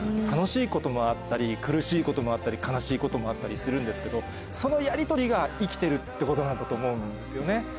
楽しいこともあったり苦しいこともあったり悲しいこともあったりするんですけどそのやりとりが生きてるってことなんだと思うんですよね。